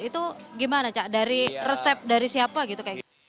itu gimana cak dari resep dari siapa gitu kayak